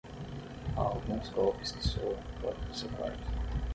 Há alguns golpes que soam na porta do seu quarto.